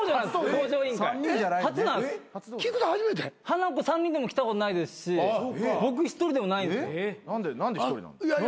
ハナコ３人でも来たことないですし僕一人でもない。何で一人なの？